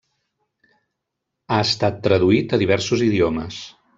Ha estat traduït a diversos idiomes.